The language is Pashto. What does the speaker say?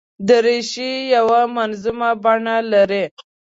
دریشي یو منظمه بڼه لري.